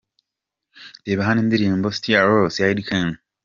Reba hano indirimbo “Sitya Loss” ya Eddy Kenzo .